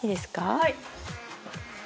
はい。